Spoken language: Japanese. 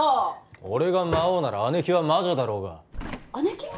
俺が魔王なら姉貴は魔女だろうが姉貴？